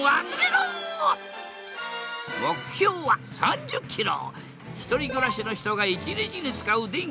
目標は３０キロ！